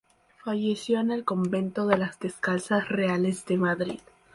Falleció en el convento de las Descalzas Reales de Madrid.